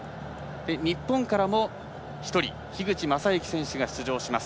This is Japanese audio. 日本からも１人樋口政幸選手が出場します。